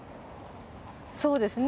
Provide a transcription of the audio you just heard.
そうですね。